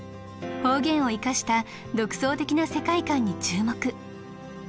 方言を生かした独創的な世界観に注目。